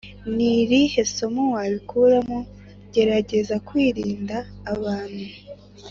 Ni irihe somo wabikuramo gerageza kwirinda abantu